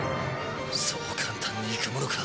そう簡単にいくものか。